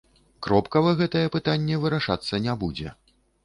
Кропкава гэтае пытанне вырашацца не будзе.